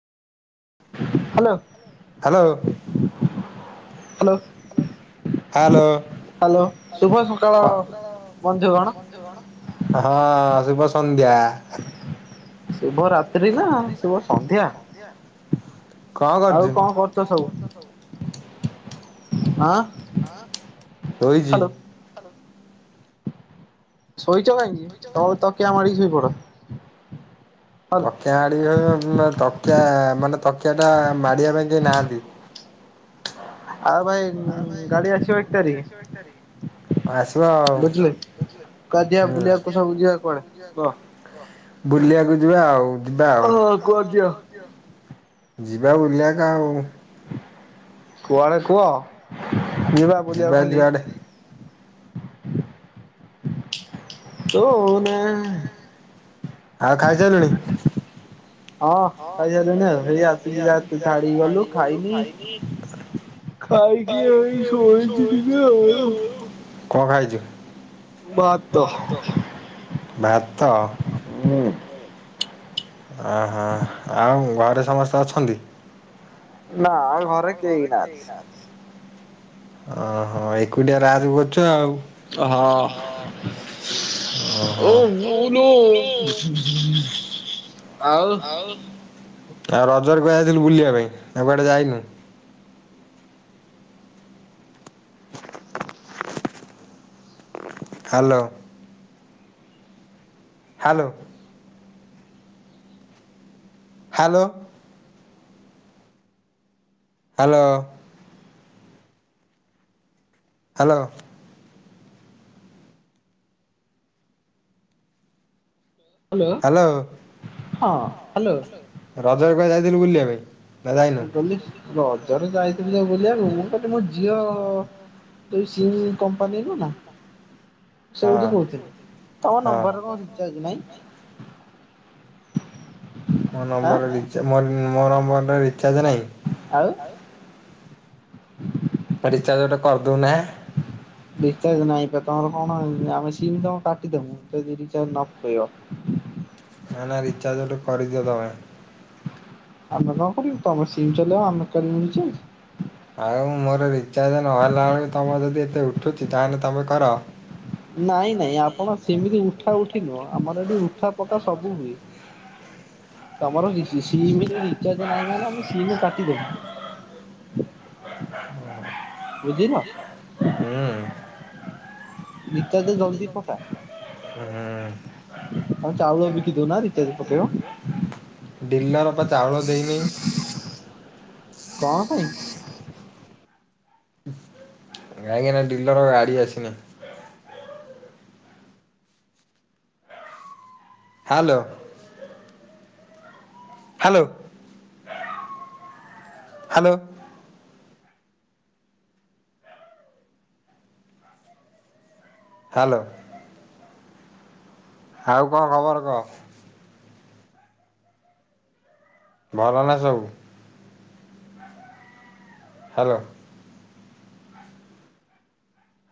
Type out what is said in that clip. Hello hello. Hello. Hello ଶୁଭ ସକାଳ କଁ ବନ୍ଧୁଗଣ ହଁ ଶୁଭ ସକ ସନ୍ଧ୍ୟା। ଶୁଭ ରାତ୍ରି ନା ଶୁଭ ସନ୍ଧ୍ୟା କଁ ଆଉ କରୁଚୁ? ହଁ ଶୋଇଛି ଶୋଇଚ କାହିଁକି? ତଳେ ତକିଆ ମାଡ଼ିକି ଶୋଇ କଡ। ତକିଆ ଆଣି ଵି ହରି ନା ମାନେ ତକିଆ ମାନେ ତକିଆ ଟା ମାଡିବା ପାଇଁ କେହି ନାହାନ୍ତି। ଆଉ ଭାଇ ଗାଡି ଆସିବ ତାରିଖ ଆସିବା ବୁଝିଲେ ହୁଁ କୁଆଡେ ଯିବା ବୁଲିବାକୁ ସବୁ ଯିବା କୁଆଡେ କୁହ ବୁଲିବାକୁ ଯିବା ଆଉ। ଯିବା ଆଉ ଓହୋ କୁଆଡେ ଯିବ ଅ ଯିବା ବୁଲିବାକୁ ଗାଁ କୁ। କୁଆଡେ କୁହ? ଯିବା ବୁଲି ଆକୁ ଖାଲି ତୋ ନାଁ ଆଉ ଖାଇ ସାଇ ଲୁଣି। ହଁ ଖାଇସାରିଲୁଣି ଆଉ ହେଇ ଆସିକି ଯା ଝାଡିକି ଗଲୁ ଖାଇନି ଖାଇକି ଏଇ ଶୋଇଛି ଟିକେ [inaudible] କଁ ଖାଇଚୁ? ବାଆତ। ଭାତ। ହୁଁ। ଅହ ଆଉ ଘରେ ସମସ୍ତେ ଅଛନ୍ତି? ନା ଆଉ ଘରେ କେହି ନାହାନ୍ତି। ଓହୋ ଏକୁଟିଆ ରାଜ କରୁଚୁ ଆଉ । ହଁ । ଓ ଓହୋ। ବୋଉଲ। ଆଉ । ଆଉ ରଜର କୁଆଡେ ଯାଇଥିଲୁ ବୁଲିବା ପାଇଁ, ନା କୁଆଡେ ଯାଇନୁ? Hello. Hello. Hello. Hello. Hello hello hello. ହଁ ହାଲୋ । ରଜରେ କୁଆଡେ ଯାଇଥିଲୁ ବୁଲିବା ପାଇଁ? ନା ଯାଇନୁ ହ ଗଲି । ରଜରେ ଯାଇଥିଲି ବୁଲିବାକୁ, ମୁଁ କହିଲି ମୋ ଝିଅ ଯେସି କମ୍ପାନୀକୁ ନା । ହଁ ସେଇଠୁ କହୁଥିଲି ତମ ହଁ। ନମ୍ବର କଣ ରିଚାର୍ଜ ନାହିଁ? ମୋ ଆଁ ନମ୍ବରରେ ରିଚ୍ ମୋ ନମ୍ ମୋରୋ ମନରେ ରିଚାର୍ଜ ନାହିଁ । ଆଉ ରିଚାର୍ଜ ଗୋଟେ କର୍ଦୁନା? ରିଚାର୍ଜ ନାହିଁ ପା ତମର କଣ ଆମେ ସିମ ବି ତମେ କାଟିଦବୁ ଯଦି ରିଚାର୍ଜ ନ କରିବ। ନା ନା ରିଚାର୍ଜ ଗୋଟେ କରିଦିଅ ତମେ । ଆମେ କଣ କରିବୁ ତମେ ସିମ ଚଲେଇବ ଆମେ କରିବୁ ରିଚାଜ। ଆଉ ମୋର ରିଚାର୍ଜ ନହେଲା ବେଳ ତମ ଯଦି ଏତେ ଉଠୁଛି ତାହେଲେ ତମେ କର । ନାଇଁ ନାଇଁ ଆପଣ ସେମିତି ଉଠା ଉଠି ନୁହଁ ଆମର ଏଠି ଉଠା ପକା ସବୁ ହୁଏ। ତମର ସିମରେ ରିଚାର୍ଜ ନାହିଁ ମାନେ ଆମେ ସିମ କାଟିଦବୁ । [inaudible] ବୁଝିଲ। ହୁଁ । ରିଚାର୍ଜ ଜଲଦୀପକା । ହଁ ଚାଉଳ ବିକି ଦଉନା ରିଚାର୍ଜ ପକେଇବ [inaudible] ଡିଲର ପା ଚାଉଳ ଦେଇନି । କଣ ପାଇଁ? କାହିଁକିନା ଡିଲର ଗାଡି ଆସିନି । [inaudible] ହାଲୋ । [inaudible] Hello [inaudible] hello. ହାଲୋ । ଆଉ କଣ ଖବର କହ? ଭଲ ନା ସବୁ। ହାଲୋ।